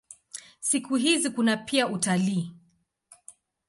Siku hizi kuna pia utalii.